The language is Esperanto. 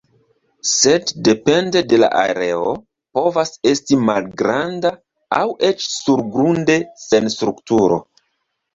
Sed depende de la areo povas esti malgranda aŭ eĉ surgrunde sen strukturo.